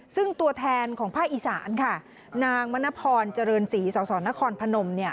ซึ่งตัวแทนของผ้าอิสานค่ะนางมณพลเจริญศรีสนะครพนม